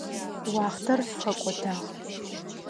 Уахътэр хэкӏотагъ.